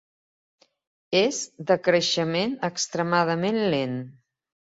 És de creixement extremadament lent.